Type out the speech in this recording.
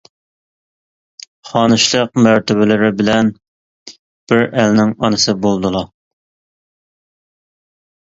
خانىشلىق مەرتىۋىلىرى بىلەن بىر ئەلنىڭ ئانىسى بولدىلا.